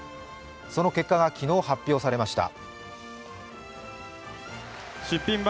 その結果が昨日、発表されました。